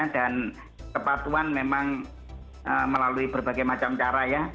dan kepatuhan memang melalui berbagai macam cara ya